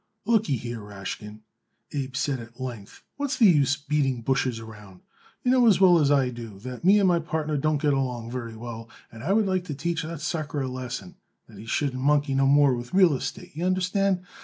"Lookyhere, Rashkin," Abe said at length, "what's the use beating bushes around? You know as well as I do that me and my partner don't get along well together, and I would like to teach that sucker a lesson that he shouldn't monkey no more with real estate, y'understand.